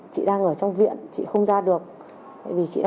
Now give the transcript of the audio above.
chị đang ở trong viện chị không ra được